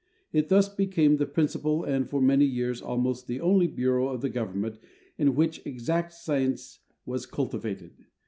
It thus became the principal and for many years almost the only bureau of the Government in which exact science was cultivated.